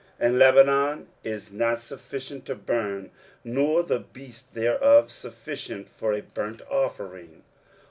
23:040:016 And Lebanon is not sufficient to burn, nor the beasts thereof sufficient for a burnt offering.